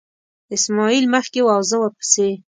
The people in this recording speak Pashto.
اسماعیل مخکې و او زه ورپسې.